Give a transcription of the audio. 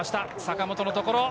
坂本のところ。